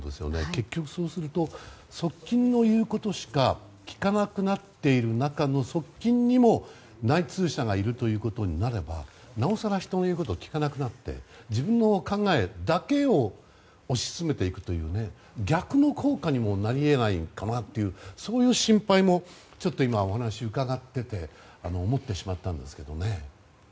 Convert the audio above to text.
結局そうすると側近の言うことしか聞かなくなっている中の側近にも内通者がいるということになればなおさら人の言うことを聞かなくなって自分の考えだけを推し進めていくという逆の効果にもなり得ないかなっていうそういう心配も今、お話を伺っていて思ってしまったんですけどね。